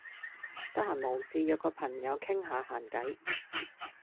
得閒無事約個朋友傾吓閒偈